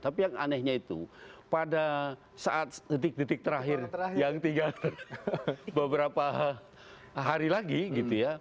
tapi yang anehnya itu pada saat detik detik terakhir yang tiga beberapa hari lagi gitu ya